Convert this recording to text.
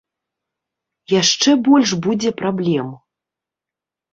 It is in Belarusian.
Яшчэ больш будзе праблем.